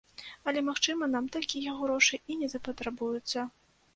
Але, магчыма, нам такія грошы і не запатрабуюцца.